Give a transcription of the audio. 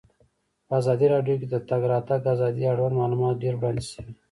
په ازادي راډیو کې د د تګ راتګ ازادي اړوند معلومات ډېر وړاندې شوي.